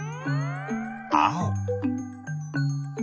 あお。